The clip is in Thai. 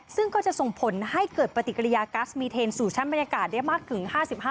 ซึ่งก็จะส่งผลให้เกิดปฏิกิริยากัสมีเทนสู่ชั้นบรรยากาศได้มากถึง๕๕